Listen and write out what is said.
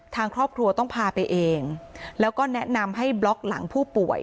ทางครอบครัวต้องพาไปเองแล้วก็แนะนำให้บล็อกหลังผู้ป่วย